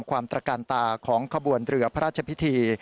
ตระการตาของขบวนเรือพระราชพิธี